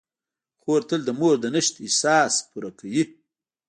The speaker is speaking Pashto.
خور تل د مور د نشت احساس پوره کوي.